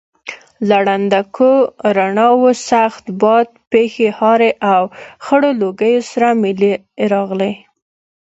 له ړندونکو رڼاوو، سخت باد، پښې هارې او خړو لوګیو سره ملې راغلې.